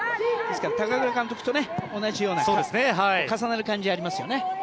高倉監督と同じような重なる感じがありますよね。